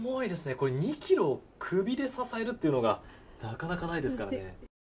これ、２ｋｇ首で支えるというのがなかなかないですからね。